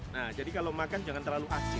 nah jadi kalau makan jangan terlalu asin